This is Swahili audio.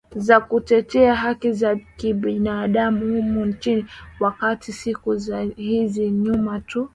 za kutetea haki za kibinadamu humu nchini wakati siku za hizi nyuma tu